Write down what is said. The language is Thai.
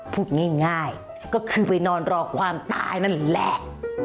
พูดง่ายก็คือไปนอนรอความตายนั่นแหละ